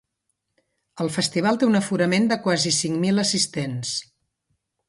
El festival té un aforament de quasi cinc mil assistents.